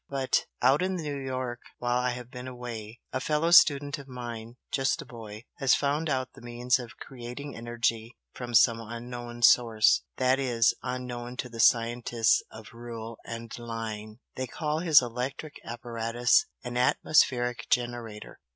But, out in New York while I have been away, a fellow student of mine just a boy, has found out the means of 'creating energy from some unknown source' that is, unknown to the scientists of rule and line. They call his electric apparatus 'an atmospheric generator.'